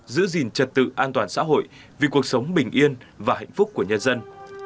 giữ gìn trật tự an toàn xã hội vì cuộc sống bình yên và hạnh phúc của nhân dân